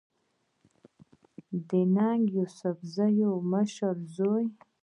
د ننګ يوسفزۍ مشر زوی